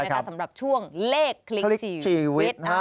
สำหรับช่วงเลขคลิกชีวิต